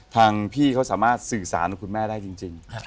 ทางพี่เขาสามารถสื่อสารกับคุณแม่ได้จริง